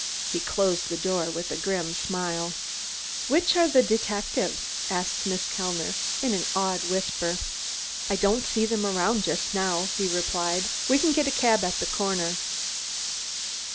He closed the door with a grim smile. "Which are the detectives?" asked Miss Kellner, in an awed whisper. "I don't see them around just now," he replied. "We can get a cab at the corner."